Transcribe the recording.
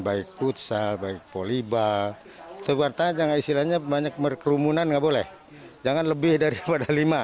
baik futsal baik polibal seperti istilahnya banyak merumunan nggak boleh jangan lebih daripada lima